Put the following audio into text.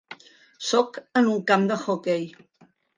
Sóc en un camp d'hoquei.